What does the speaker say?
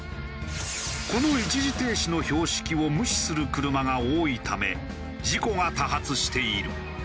この一時停止の標識を無視する車が多いため事故が多発している。